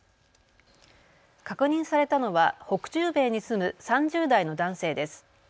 確認されたのは北中米に住む３０代の男性です。